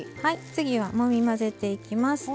次はもみ混ぜていきます。